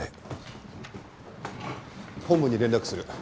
本部に連絡する。